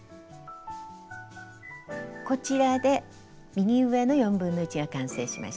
こちらで右上の1/4が完成しました。